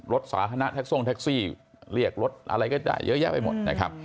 รถสาธารณะแท็กทรงแท็กซี่เรียกรถอะไรก็ได้เยอะแยะไปหมดนะครับ